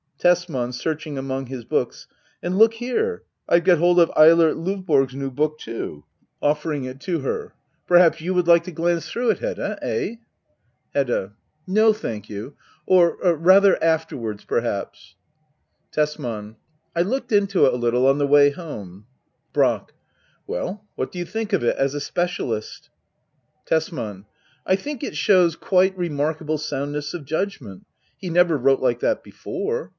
Tesman« [Searching among his hooks,] And look here — I have got hold of £ilert Ldvborg's new book too. Digitized by Google 74 HEDDA OABLER. [aCT II. [Offering it to her,'] Perhaps you would like to glance through it^ Hedda ? Eh ? Hedda. No^ thank you. Or rather — afterwards perhaps. Tesman. I looked into it a little on the way home. Brack. Well, what do you think of it — as a specialist ? Tesman. I think it shows quite remarkable soundness of t'udgment. He never wrote like that before.